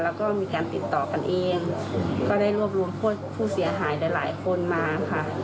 แล้วก็มีการติดต่อกันเองก็ได้รวบรวมผู้เสียหายหลายหลายคนมาค่ะ